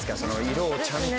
色をちゃんと。